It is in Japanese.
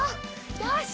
よし！